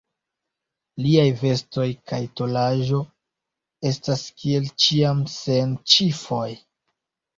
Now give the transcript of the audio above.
Liaj vestoj kaj tolaĵo estas kiel ĉiam sen ĉifoj.